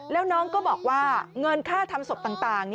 แล้วน้องก็บอกว่าเงินค่าทำศพต่าง